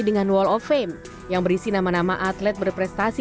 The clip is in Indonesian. dengan wall of fame yang berisi nama nama atlet berprestasi